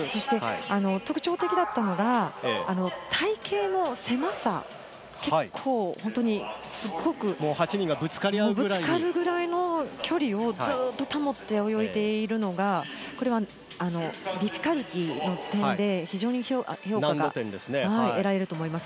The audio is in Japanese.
特徴的だったのが、隊形の狭さ、８人がぶつかるくらいの距離をずっと保って泳いでいるのが、これはディフィカルティの点で、非常に評価が得られると思います。